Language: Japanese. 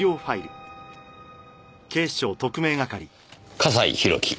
笠井宏樹